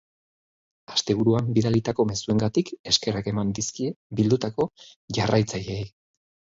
Asteburuan, bidalitako mezuengatik eskerrak eman dizkie bildutako jarraitzaileei.